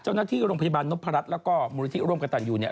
เจ้านักที่โรงพยาบาลนพรรดิแล้วก็มูลิธีร่วมกันตอนอยู่เนี่ย